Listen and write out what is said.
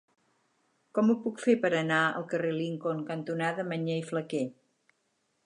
Com ho puc fer per anar al carrer Lincoln cantonada Mañé i Flaquer?